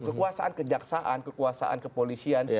kekuasaan kejaksaan kekuasaan kepolisian